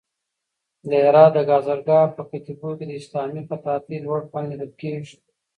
د هرات د گازرګاه په کتيبو کې د اسلامي خطاطۍ لوړ فن لیدل کېږي.